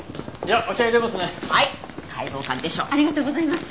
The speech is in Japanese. ありがとうございます。